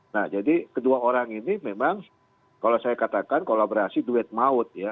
nah jadi kedua orang ini memang kalau saya katakan kolaborasi duet maut ya